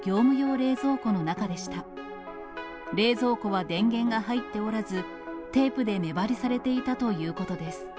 冷蔵庫は電源が入っておらず、テープで目張りされていたということです。